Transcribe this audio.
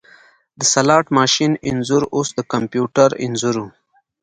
د سلاټ ماشین انځور اوس د کمپیوټر انځور و